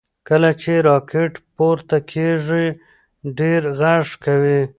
کله چې راکټ پورته کیږي ډېر غږ کوي.